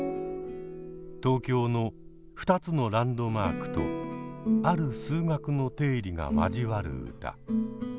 東京の２つのランドマークとある数学の定理が交わる歌。